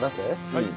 はい。